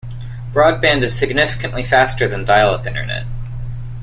Broadband is significantly faster than dial-up internet.